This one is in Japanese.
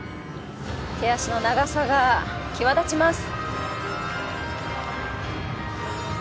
手足の長さが際立ちます。